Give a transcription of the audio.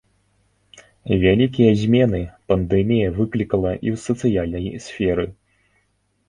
Вялікія змены пандэмія выклікала і ў сацыяльнай сферы.